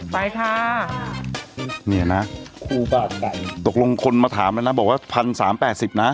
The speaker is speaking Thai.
ไปค่ะเนี่ยนะครูบาไก่ตกลงคนมาถามแล้วนะบอกว่าพันสามแปดสิบนะ